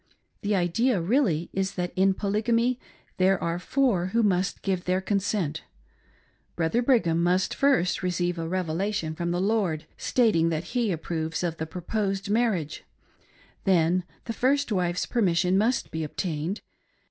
The idea really is that in Polygamy there are four who must give their consent : Brigham Young must first receive a revelatioii from the Lord stating that he approves of the proposed maxriage. Then the first wife's permission must be obtained.